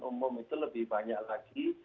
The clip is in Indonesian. umum itu lebih banyak lagi